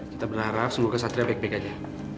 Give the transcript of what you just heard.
kita berharap semoga kesatria baik baik aja